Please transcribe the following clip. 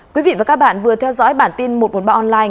quý vị và các bạn vừa theo dõi bản tin một trăm một mươi ba online